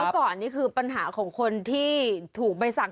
ก่อนนี่คือปัญหาของคนที่ถูกใบสั่ง